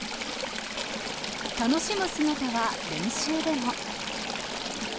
楽しむ姿は、練習でも。